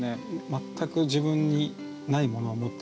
全く自分にないものを持ってるから。